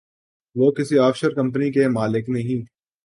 وہ کسی offshore company کے مالک نہیں۔